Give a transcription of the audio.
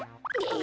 え？